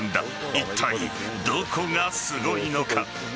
いったいどこがすごいのか。